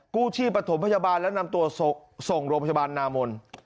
กู้ชีพประถมพยาบาลแล้วนำตัวส่งโรงพยาบาลนามน